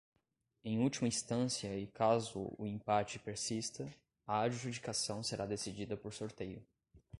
Em última instância e caso o empate persista, a adjudicação será decidida por sorteio.